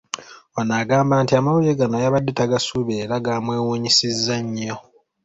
Ono agamba nti amawulire gano yabadde tagasuubira era gaamwewuunyisizza nnyo.